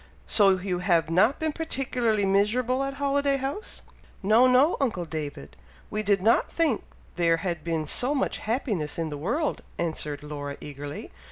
So you have not been particularly miserable at Holiday House?" "No! no! uncle David! we did not think there had been so much happiness in the world," answered Laura, eagerly.